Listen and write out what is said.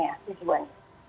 itu benarnya tujuan